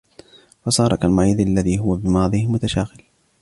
فَصَارَ كَالْمَرِيضِ الَّذِي هُوَ بِمَرَضِهِ مُتَشَاغِلٌ